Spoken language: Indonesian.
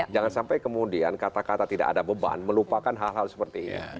jangan sampai kemudian kata kata tidak ada beban melupakan hal hal seperti ini